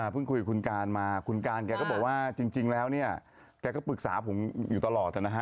คุยกับคุณการมาคุณการแกก็บอกว่าจริงแล้วเนี่ยแกก็ปรึกษาผมอยู่ตลอดนะฮะ